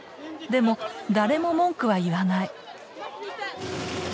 でも誰も文句は言わない。